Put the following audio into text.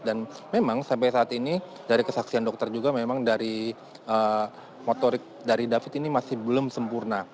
dan memang sampai saat ini dari kesaksian dokter juga memang dari motorik dari david ini masih belum sempurna